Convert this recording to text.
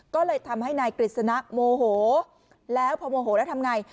ก็เลยทำให้นายกฤษณะโมโหแล้วพอโมโหแล้วทำไง